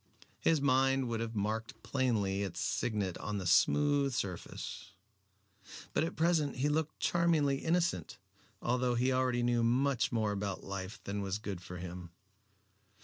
His mind would have marked plainly its signet on the smooth surface. But at present he looked charmingly innocent, although he already knew much more about life than was good for him.